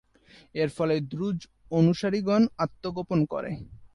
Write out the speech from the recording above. এর ফলে দ্রুজ অনুসারীগণ আত্মগোপন করে।